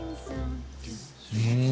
うん。